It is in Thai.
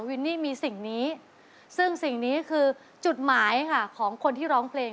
วินนี่มีสิ่งนี้ซึ่งสิ่งนี้คือจุดหมายค่ะของคนที่ร้องเพลง